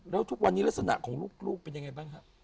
แล้วทุกวันนี้ลักษณะของลูกเป็นยังไงบ้างฮะ